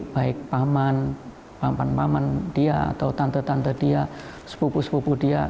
baik paman pampan paman dia atau tante tante dia sepupu sepupu dia